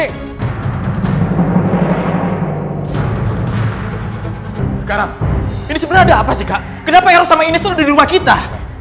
sekarang ini sebenarnya ada apa sih kak kenapa harus sama ini tuh ada di rumah kita